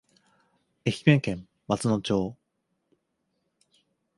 愛媛県松野町